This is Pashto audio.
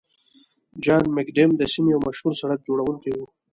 جان مکډم د سیمې یو مشهور سړک جوړونکی و.